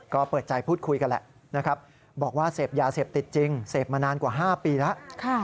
ก็เปิดใจพูดคุยกันแหละนะครับบอกว่าเสพยาเสพติดจริงเสพมานานกว่า๕ปีแล้ว